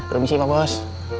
rumit sih pak bos